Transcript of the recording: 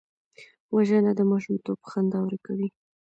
وژنه د ماشومتوب خندا ورکوي